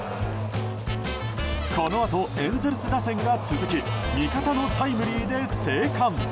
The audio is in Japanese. このあと、エンゼルス打線が続き味方のタイムリーで生還。